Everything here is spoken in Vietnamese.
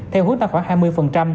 theo hướng tạo khoảng hai mươi